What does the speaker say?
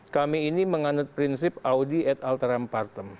kami ini menganut prinsip audi at alteram partem